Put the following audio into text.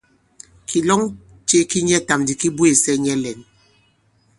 Kìlɔŋ ce ki nyɛtām ndi ki bwêsɛ nyɛ lɛ̌n.